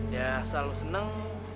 ya selalu seneng